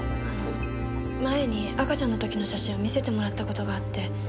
前に赤ちゃんの時の写真を見せてもらった事があって。